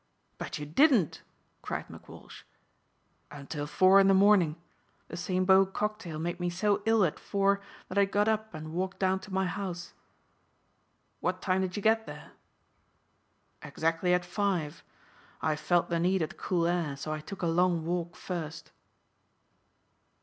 "But you didn't!" cried McWalsh. "Until four in the morning. The Saint Beau cocktail made me so ill at four that I got up and walked down to my house." "What time did you get there?" "Exactly at five. I felt the need of the cool air, so I took a long walk first."